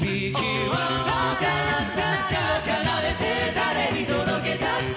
誰に届けたくて？」